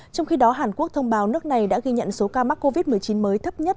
trong khi đó hàn quốc thông báo nước này đã ghi nhận số ca mắc covid một mươi chín mới thấp nhất